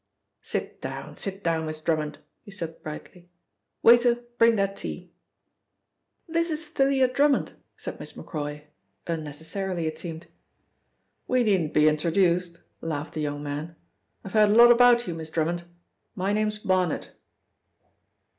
"Sit down, sit down, Miss Drummond," he said brightly. "Waiter, bring that tea." "This is Thalia Drummond," said Miss Macroy, unnecessarily it seemed. "We needn't be introduced," laughed the young man. "I've heard a lot about you, Miss Drummond. My name's Barnet."